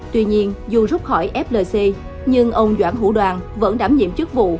tuy nhiên dù rút khỏi flc nhưng ông doãn hữu đoàn vẫn đảm nhiệm chức vụ